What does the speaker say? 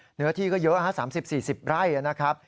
เหนือที่ก็เยอะ๓๐๔๐ไร่นะครับ